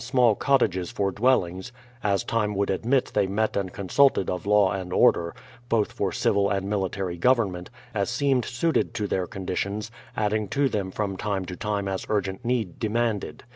all cottages for dwellings, — as time would admit they met and consulted of law and order, both for civil and military government, as seemed suited to their conditions, adding to them from time to time as urgent need demanded.